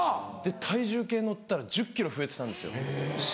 体重計に乗ったら１０ｋｇ増えてたんですよ。